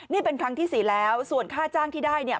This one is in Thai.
นี่เป็นครั้งที่สี่แล้วส่วนค่าจ้างที่ได้เนี่ย